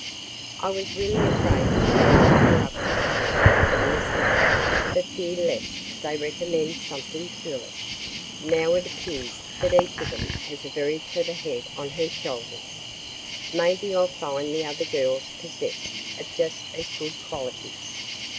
"I was really afraid to take the matter up with Helen or Miss Ladd for fear lest they recommend something foolish. Now it appears that each of them has a very clever head on her shoulders. Maybe I'll find the other girls possessed of just as good qualities.